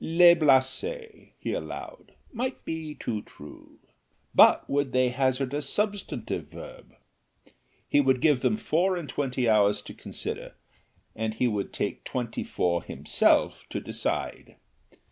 Le Blasé? he allowed, might be too true. But would they hazard a substantive verb? He would give them four and twenty hours to consider, and he would take twenty four himself to decide.